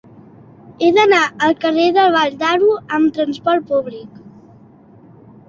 He d'anar al carrer de la Vall d'Aro amb trasport públic.